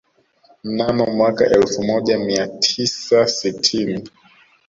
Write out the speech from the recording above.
Mnamo mwaka elfu moja mia tisa sitini